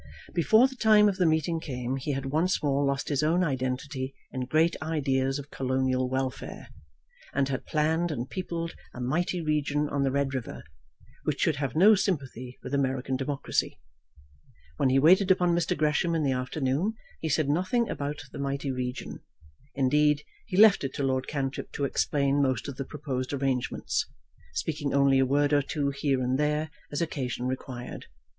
Before the time of the meeting came he had once more lost his own identity in great ideas of colonial welfare, and had planned and peopled a mighty region on the Red River, which should have no sympathy with American democracy. When he waited upon Mr. Gresham in the afternoon he said nothing about the mighty region; indeed, he left it to Lord Cantrip to explain most of the proposed arrangements, speaking only a word or two here and there as occasion required.